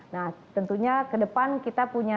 nah tentunya kedepan kita punya